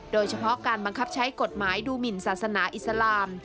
โดยเฉพาะการบังคับใช้กฎหมายดูหมินศาสนาอิสลาม